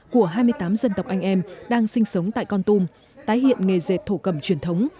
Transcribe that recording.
của hai mươi tám dân tộc anh em đang sinh sống tại con tum tái hiện nghề dệt thổ cầm truyền thống